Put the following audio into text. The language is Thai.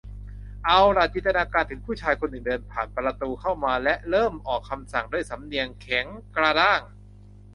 เอาหล่ะ จินตนาการถึงผู้ชายคนหนึ่งเดินผ่านประตูเข้ามา และเริ่มออกคำสั่งด้วยสำเนียงแข็งกระด้าง